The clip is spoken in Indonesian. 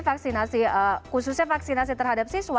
vaksinasi khususnya vaksinasi terhadap siswa